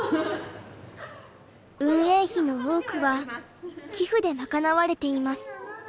運営費の多くは寄付で賄われています。